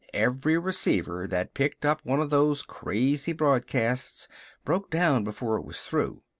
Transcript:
Every receiver that picked up one of those crazy broadcasts broke down before it was through.